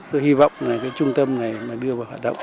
tôi hy vọng trung tâm này đưa vào hoạt động